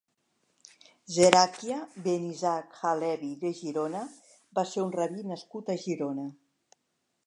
Zerakhia ben Isaac ha-Leví de Girona va ser un rabí nascut a Girona.